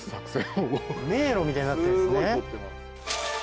迷路みたいになってるんですね。